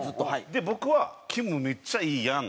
で僕は「きむめっちゃいいやん。